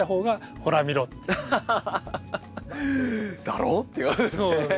「だろ？」っていうわけですね。